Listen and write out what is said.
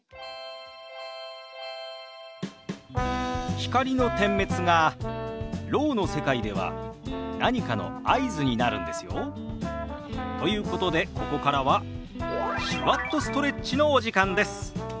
光の点滅がろうの世界では何かの合図になるんですよ。ということでここからは「手話っとストレッチ」のお時間です。